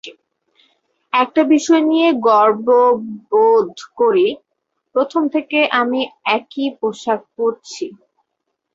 একটা বিষয় নিয়ে গর্ববোধ করি, প্রথম থেকে আমি একই পোশাক পরছি।